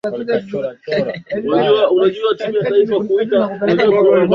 kupinga siasa ya viongozi na kuleta hoja tofauti ulisababisha tena nchi kubaki